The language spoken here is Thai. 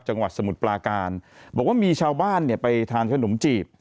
สมุทรปลาการบอกว่ามีชาวบ้านเนี่ยไปทานขนมจีบ